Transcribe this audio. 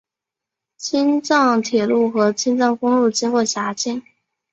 青藏铁路和青藏公路经过辖境。